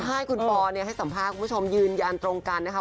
ใช่คุณปอให้สัมภาษณ์คุณผู้ชมยืนยันตรงกันนะคะ